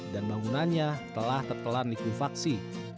dan bangunannya telah tertelan liku vaksi